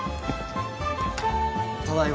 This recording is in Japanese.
ただいま。